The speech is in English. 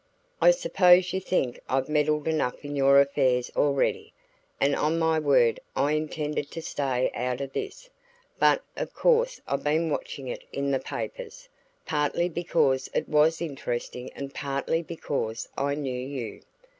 "I suppose you think I've meddled enough in your affairs already; and on my word, I intended to stay out of this. But of course I've been watching it in the papers; partly because it was interesting and partly because I knew you.